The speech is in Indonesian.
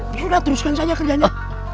ya udah teruskan saja kerjanya